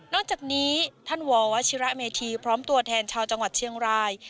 จากนี้ท่านววชิระเมธีพร้อมตัวแทนชาวจังหวัดเชียงราย